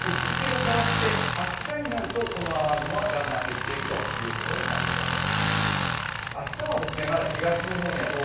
日付が変わって明日になるとこの雨雲はだんだん減っていくということになりそうです。